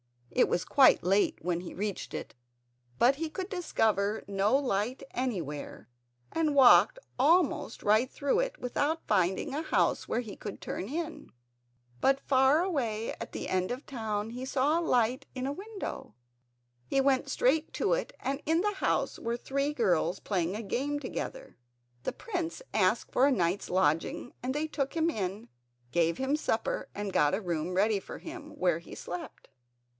It was quite late when he reached it, but he could discover no light anywhere, and walked almost right through it without finding a house where he could turn in. But far away at the end of the town he saw a light in a window. He went straight to it and in the house were three girls playing a game together. The prince asked for a night's lodging and they took him in, gave him some supper and got a room ready for him, where he slept.